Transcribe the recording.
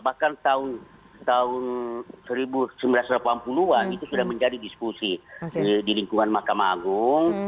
bahkan tahun seribu sembilan ratus delapan puluh an itu sudah menjadi diskusi di lingkungan mahkamah agung